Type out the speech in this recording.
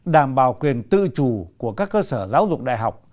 đảm bảo quyền tự chủ của các cơ sở giáo dục đại học